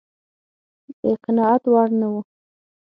د قناعت وړ نه و.